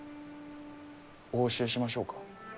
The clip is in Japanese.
お教えしましょうか？